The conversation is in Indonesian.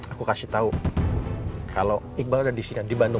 aku kasih tahu kalau iqbal ada di sini di bandung